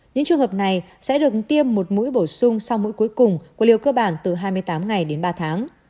những trường hợp này sẽ được tiêm một mũi bổ sung sau mỗi cuối cùng của liều cơ bản từ hai mươi tám ngày đến ba tháng